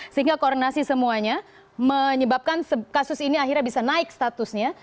sehingga koordinasi semuanya menyebabkan kasus ini akhirnya bisa naik statusnya